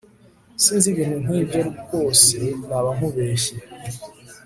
Sinzi ibintu nkibyo ryose nabankubeshye